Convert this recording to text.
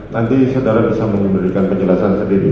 nanti saudara bisa memberikan penjelasan sendiri